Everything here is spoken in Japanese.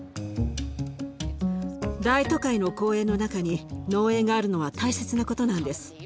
大都会の公園の中に農園があるのは大切なことなんです。